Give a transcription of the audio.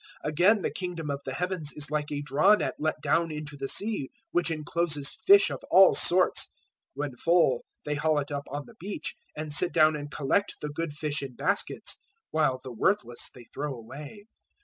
013:047 "Again the Kingdom of the Heavens is like a draw net let down into the sea, which encloses fish of all sorts. 013:048 When full, they haul it up on the beach, and sit down and collect the good fish in baskets, while the worthless they throw away.